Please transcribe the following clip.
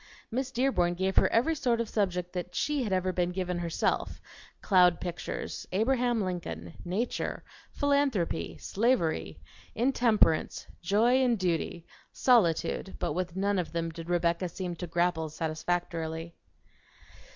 Miss Dearborn gave her every sort of subject that she had ever been given herself: Cloud Pictures; Abraham Lincoln; Nature; Philanthropy; Slavery; Intemperance; Joy and Duty; Solitude; but with none of them did Rebecca seem to grapple satisfactorily.